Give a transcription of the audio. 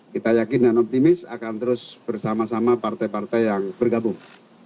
kita yakin dan optimis akan terus bersama sama partai partai yang bergabung